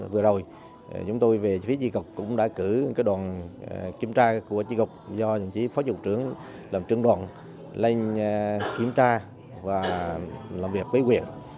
vừa rồi chúng tôi về phía tri gộc cũng đã cử đoàn kiểm tra của tri gộc do phó chủ trưởng làm trưởng đoàn lên kiểm tra và làm việc bấy quyền